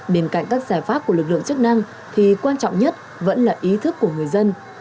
bên cạnh các giải pháp của lực lượng chức năng thì quan trọng nhất vẫn là ý thức của người dân